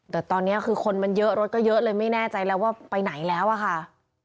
แต่ตอนนี้คือคนมันเยอะรถก็เยอะเลยไม่แน่ใจแล้วว่าไปไหนแล้วอะค่ะ